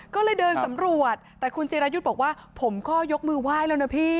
ก็เลยเดินสำรวจแต่คุณจิรายุทธ์บอกว่าผมก็ยกมือไหว้แล้วนะพี่